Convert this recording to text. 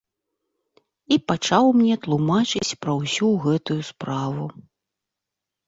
І пачаў мне тлумачыць пра ўсю гэтую справу.